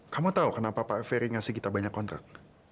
kamu tahu kenapa pak ferry ngasih kita banyak kontrak